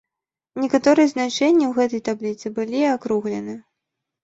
Некаторыя значэнні ў гэтай табліцы былі акруглены.